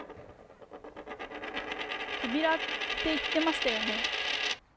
扉って言っていましたよね。